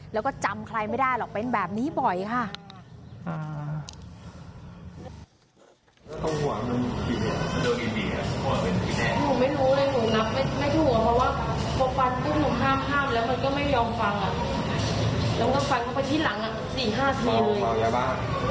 แล้วก็จำใครไม่ได้หรอกเป็นแบบนี้บ่อยค่ะ